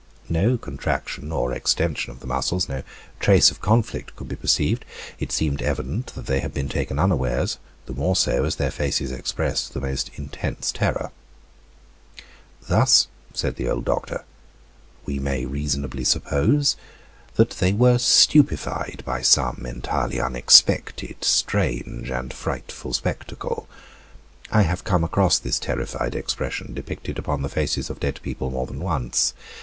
No contraction or extension of the muscles, no trace of conflict could be perceived; it seemed evident that they had been taken unawares, the more so as their faces expressed the most intense terror. "Thus," said the old doctor, "we may reasonably suppose that they were stupefied by some entirely unexpected, strange, and frightful spectacle. I have come across this terrified expression depicted upon the faces of dead people more than once.